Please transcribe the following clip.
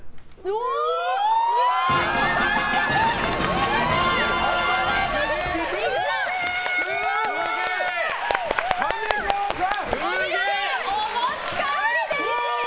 お肉お持ち帰りです！